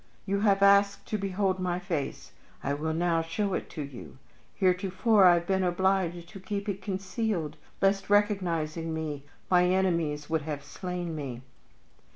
You have asked to behold my face; I will now show it to you! Heretofore I have been obliged to keep it concealed lest, recognizing me, my enemies should have slain me."